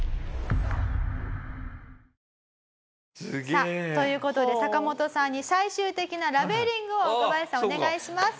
さあという事でサカモトさんに最終的なラベリングを若林さんお願いします。